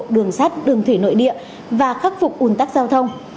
đường sát đường thủy nội địa và khắc phục un tắc giao thông